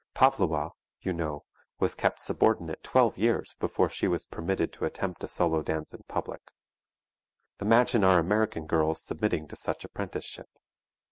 Pavlowa, you know, was kept subordinate twelve years before she was permitted to attempt a solo dance in public. Imagine our American girls submitting to such apprenticeship!